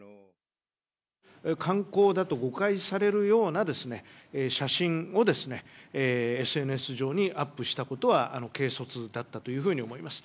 観光だと誤解されるようなですね、写真をですね、ＳＮＳ上にアップしたことは、軽率だったというふうに思います。